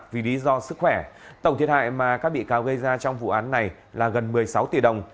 vì lý do sức khỏe tổng thiệt hại mà các bị cáo gây ra trong vụ án này là gần một mươi sáu tỷ đồng